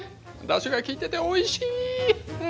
だしがきいてておいしい！